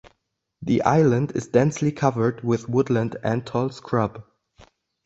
The island is densely covered with woodland and tall scrub.